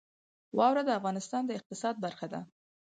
واوره د افغانستان د اقتصاد برخه ده.